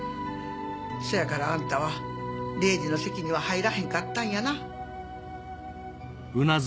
せやからあんたは礼司の籍には入らへんかったんやな？